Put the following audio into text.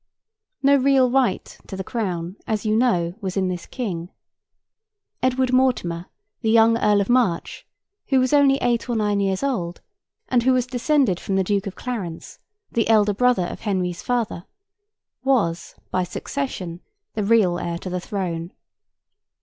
No real right to the crown, as you know, was in this King. Edward Mortimer, the young Earl of March—who was only eight or nine years old, and who was descended from the Duke of Clarence, the elder brother of Henry's father—was, by succession, the real heir to the throne.